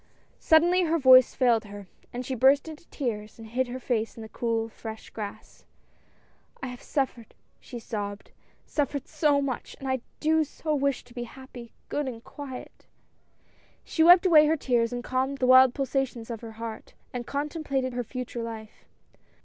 Sud denly her voice failed her, she burst into tears, and hid her face in the cool, fresh grass. " I have suffered," she sobbed, "suffered so much, and I do so wish to be happy, good, and quiet." AT I. A S T . 205 She wiped away her tears and calmed the wild pulsa tions of her heart, and contemplated her future life.